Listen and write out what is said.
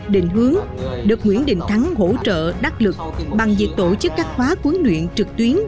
định hướng được nguyễn đình thắng hỗ trợ đắc lực bằng việc tổ chức các khóa huấn luyện trực tuyến